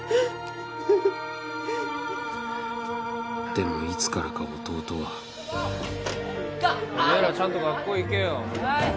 でもいつからか弟はおめえらちゃんと学校行けよはい